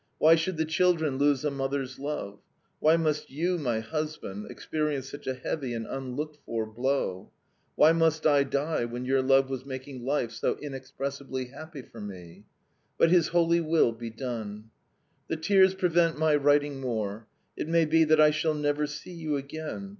Why should the children lose a mother's love? Why must you, my husband, experience such a heavy and unlooked for blow? Why must I die when your love was making life so inexpressibly happy for me? "But His holy will be done! "The tears prevent my writing more. It may be that I shall never see you again.